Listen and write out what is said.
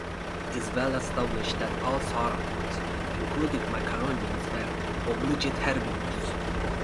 It is well established that all sauropods, including macronarians, were obligate herbivores.